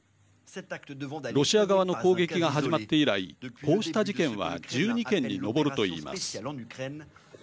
ロシア側の攻撃が始まって以来こうした事件は１２件に上るといいます。